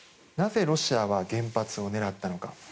なぜロシアは原発を狙ったのか。